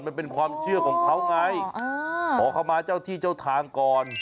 มันเป็นความเชื่อของเขาไงขอเข้ามาเจ้าที่เจ้าทางก่อน